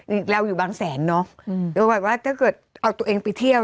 อีกอยู่บางแสนเนาะเอาตัวเองไปเที่ยว